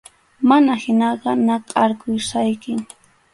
Mana hinaqa, nakʼarqusaykim.